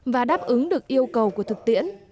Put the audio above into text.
và đáp ứng được yêu cầu của thực tiễn